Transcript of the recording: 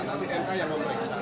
nanti ma yang memeriksa